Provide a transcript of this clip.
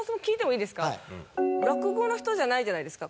落語の人じゃないじゃないですか。